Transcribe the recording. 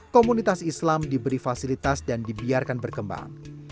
komunitas islam diberi fasilitas dan dibiarkan berkembang